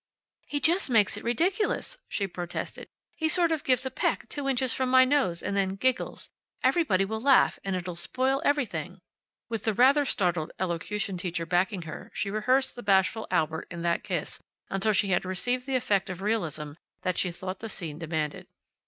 "He just makes it ridiculous," she protested. "He sort of gives a peck two inches from my nose, and then giggles. Everybody will laugh, and it'll spoil everything." With the rather startled elocution teacher backing her she rehearsed the bashful Albert in that kiss until she had achieved the effect of realism that she thought the scene demanded.